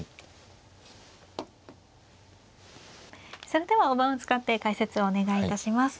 それでは大盤を使って解説をお願いいたします。